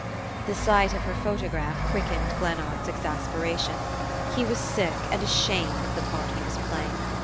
The sight of her photograph quickened Glennard's exasperation. He was sick and ashamed of the part he was playing.